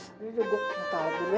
aduh udah gue minta alat dulu ya